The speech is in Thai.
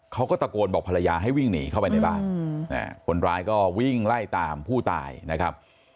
เขาก็ตะโกนบอกภรรยาให้วิ่งหนีเข้าไปในบ้านคนร้ายก็วิ่งไล่ตามผู้ตายนะครับ